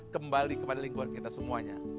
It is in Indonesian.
kembali kepada lingkungan kita semuanya